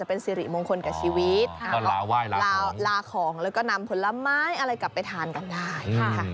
เป็นสิริมงคลกับชีวิตลาของแล้วก็นำผลไม้อะไรกลับไปทานกันได้